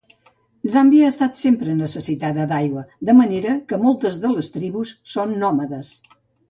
Zàmbia ha estat sempre necessitada d'aigua, de manera que moltes de les tribus són nòmades.